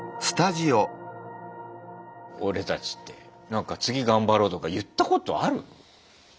俺たちってなんか「次頑張ろう」とか言ったことある？